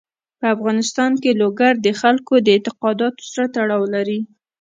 په افغانستان کې لوگر د خلکو د اعتقاداتو سره تړاو لري.